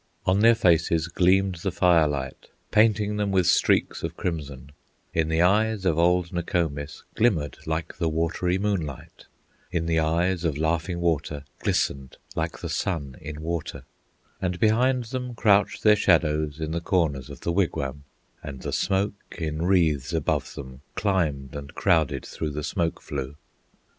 On their faces gleamed the firelight, Painting them with streaks of crimson, In the eyes of old Nokomis Glimmered like the watery moonlight, In the eyes of Laughing Water Glistened like the sun in water; And behind them crouched their shadows In the corners of the wigwam, And the smoke in wreaths above them Climbed and crowded through the smoke flue.